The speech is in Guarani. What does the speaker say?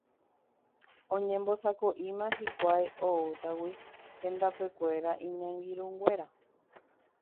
oñembosako'íma hikuái oútagui hendapekuéra iñangirũnguéra